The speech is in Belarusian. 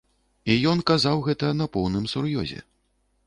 І ён казаў гэта на поўным сур'ёзе.